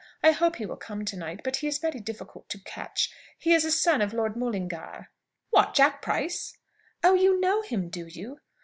I hope he will come to night, but he is very difficult to catch. He is a son of Lord Mullingar." "What, Jack Price?" "Oh, you know him, do you?"